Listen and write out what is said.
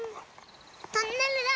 トンネルだ！